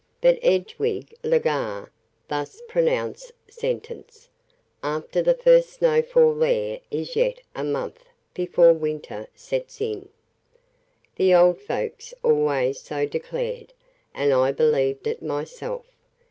But Edwige Legare thus pronounced sentence: "After the first snowfall there is yet a month before winter sets in. The old folks always so declared, and I believe it myself."